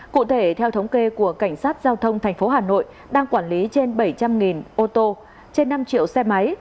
cụ thể theo thống kê của cảnh sát giao thông tp hà nội đang quản lý trên bảy trăm linh ô tô trên năm triệu xe máy